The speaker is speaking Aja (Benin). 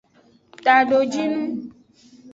Tadojinu.